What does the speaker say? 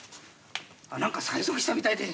何か催促したみたいで。